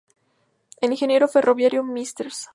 El ingeniero ferroviario Mr.